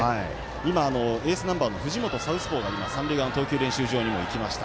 今、エースナンバーの藤本三塁側の投球練習場に行きました。